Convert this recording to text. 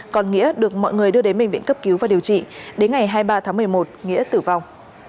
còn nghĩa được mọi người đưa đến bệnh viện cấp cứu và điều trị đến ngày hai mươi ba tháng một mươi một nghĩa tử vong